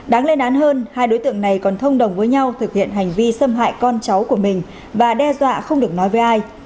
đáng lên án hơn hai đối tượng này còn thông đồng với nhau thực hiện hành vi xâm hại con cháu của mình và đe dọa không được nói với ai